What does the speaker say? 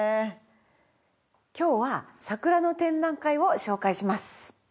今日は桜の展覧会を紹介します。